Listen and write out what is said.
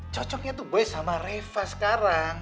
cocoknya tuh boy sama reva sekarang